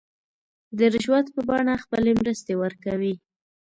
د رشوت په بڼه خپلې مرستې ورکوي.